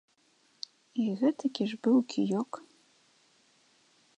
І гэтакі ж быў кіёк!